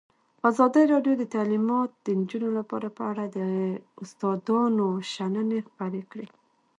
ازادي راډیو د تعلیمات د نجونو لپاره په اړه د استادانو شننې خپرې کړي.